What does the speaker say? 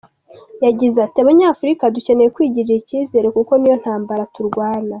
Yagize ati “Abanyafurika dukeneye kwigirira icyizere kuko niyo ntambara turwana.